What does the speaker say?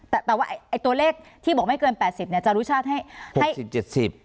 แต่แต่ว่าไอ้ตัวเลขที่บอกไม่เกินแปดสิบเนี่ยจารุชาติให้ให้สิบเจ็ดสิบ